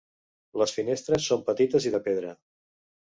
Les finestres són petites i de pedra.